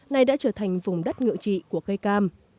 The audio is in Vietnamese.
nay đã trở thành vùng đất ngựa trị của cây cam